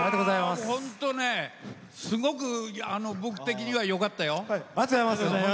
本当、すごく僕的にはよかったよ。